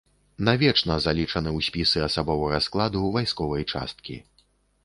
Навечна залічаны ў спісы асабовага складу вайсковай часткі.